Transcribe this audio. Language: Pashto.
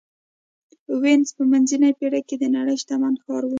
وینز په منځنۍ پېړۍ کې د نړۍ شتمن ښار و.